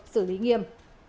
xử lý nghiêm